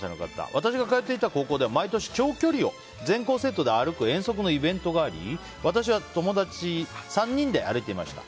私が通っていた高校では毎年、長距離を全校生徒で歩く遠足のイベントがあり私は友達３人で歩いていました。